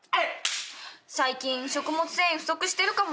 「最近食物繊維不足してるかも」